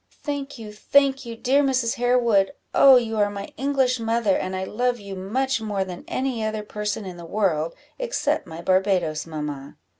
"Thank you, thank you, dear Mrs. Harewood! oh, you are my English mother, and I love you much more than any other person in the world, except my Barbadoes mamma."